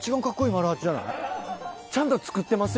ちゃんと作ってますよ。